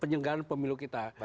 penyelenggaran pemilu kita